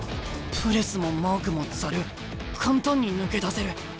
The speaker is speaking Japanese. プレスもマークもザル簡単に抜け出せる。